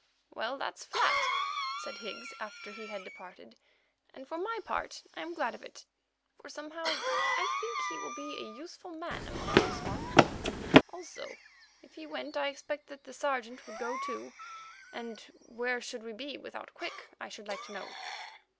"Well, that's flat," said Higgs after he had departed, "and for my part I am glad of it, for somehow I think he will be a useful man among those Fung. Also, if he went I expect that the Sergeant would go too, and where should we be without Quick, I should like to know?"